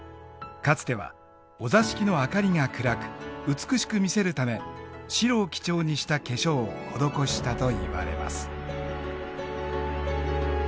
かつてはお座敷の明かりが暗く美しく見せるため白を基調にした化粧を施したといわれます。